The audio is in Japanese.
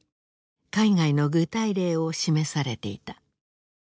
海外の具体例を示されていた。